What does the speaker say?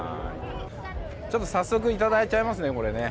ちょっと早速いただいちゃいますね。